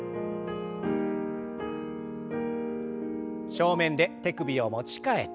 正面で手首を持ち替えて。